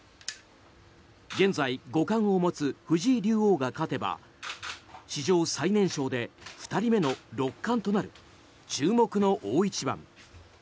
現在、五冠を持つ藤井竜王が勝てば史上最年少で２人目の六冠となる注目の大一番。